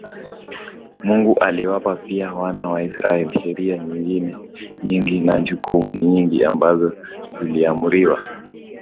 Mungu aliwapa pia Wana wa Israel sheria zingine nyingi na hukumu nyingi ambazo ziliamriwa